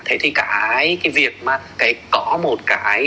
thế thì cái việc mà có một cái